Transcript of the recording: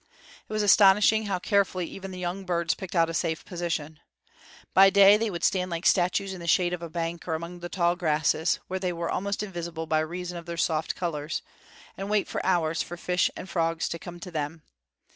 It was astonishing how carefully even the young birds picked out a safe position. By day they would stand like statues in the shade of a bank or among the tall grasses, where they were almost invisible by reason of their soft colors, and wait for hours for fish and frogs to come to them.